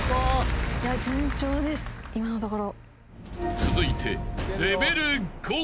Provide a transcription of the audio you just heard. ［続いて］